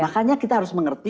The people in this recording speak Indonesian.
makanya kita harus mengerti